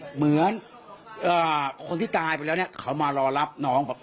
เหมือนคนที่ตายไปแล้วเนี่ยเขามารอรับน้อง